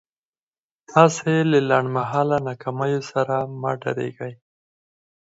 تاسې له لنډ مهاله ناکاميو سره مه ډارېږئ.